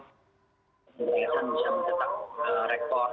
dan kelihatan bisa mencetak rekor